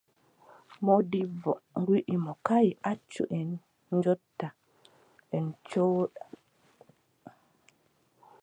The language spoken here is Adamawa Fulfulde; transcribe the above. Moodibbo wii mo : kaay, accu en njotta, en cooda.